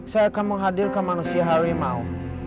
saya akan menghadirkan manusia harimau